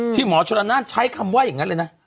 ที่หมอชุระนาตริย์ใช้คำว่าอย่างนั้นเลยนะ